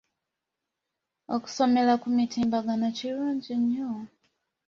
Okusomera ku mutimbagano kirungi nnyo.